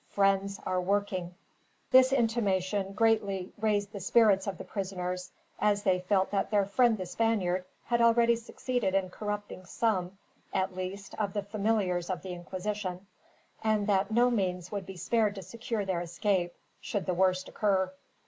Friends are working." This intimation greatly raised the spirits of the prisoners, as they felt that their friend the Spaniard had already succeeded in corrupting some, at least, of the familiars of the Inquisition; and that no means would be spared to secure their escape, should the worst occur.